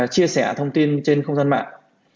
chia sẻ thông tin trên công gian mạng